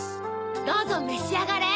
どうぞめしあがれ！